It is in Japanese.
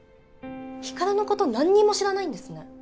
光琉のこと何にも知らないんですね